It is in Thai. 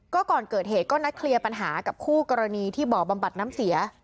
ก็ก่อนเกิดเหตุก็นัดเคลียร์ปัญหากับคู่กรณีที่บ่อบำบัดน้ำเสีย